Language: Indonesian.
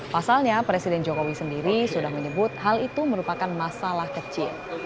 pasalnya presiden jokowi sendiri sudah menyebut hal itu merupakan masalah kecil